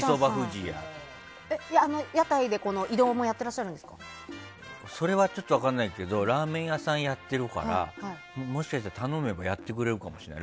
屋台で移動もそれは分からないけどラーメン屋さんやってるから、もしかしたら頼めばやってくれるかもしれない。